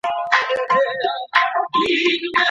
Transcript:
ادبیاتو پوهنځۍ بې بودیجې نه تمویلیږي.